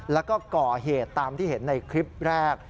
แล้วก็ก่อเหตุตามที่เห็นในคลิปแรก